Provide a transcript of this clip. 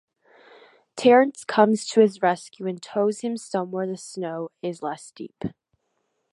Terence comes to his rescue and tows him somewhere the snow is less deep.